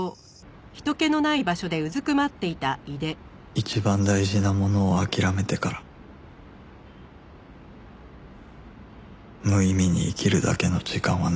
一番大事なものを諦めてから無意味に生きるだけの時間は長い